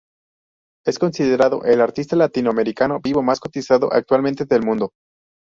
Es considerado el artista latinoamericano vivo más cotizado actualmente del mundo.